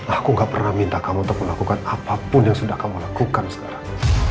aku gak pernah minta kamu untuk melakukan apapun yang sudah kamu lakukan sekarang